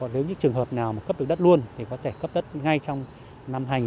nếu như trường hợp nào mà cấp được đất luôn thì có thể cấp đất ngay trong năm hai nghìn một mươi bốn